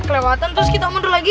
kelewatan terus kita mundur lagi